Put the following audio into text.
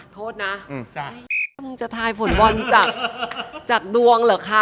โทษนะมึงจะทายผลบอลจากดวงเหรอคะ